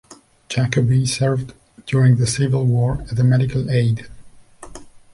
Jacobi served during the Civil War as a medical aide.